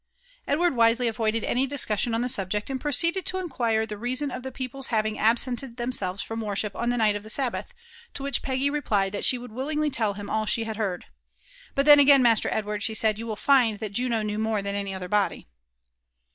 Edward wisely avoided any discussion on the subject, and pro «0eded to iaquira tha raaioQ of the people's liavf ag tbseiKed them •ehret kom worship on Mm wght of Uie Sabbath ; to which Peggy re^ piled that Ae wooid widiogly toll him all she had heard. *^ Bol tboa agaio, Master Edward/' she aaid, you will find that Juno kaew jBMra thaM any other body."